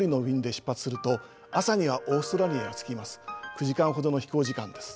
９時間ほどの飛行時間です。